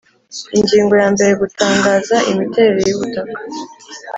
Ingingo ya mbere Gutangaza imiterere yubutaka